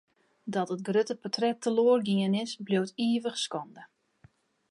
Dat it grutte portret teloar gien is, bliuwt ivich skande.